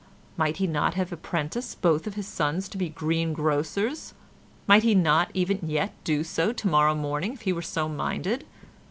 Might he not have apprenticed both his sons to greengrocers? Might he not even yet do so to morrow morning if he were so minded?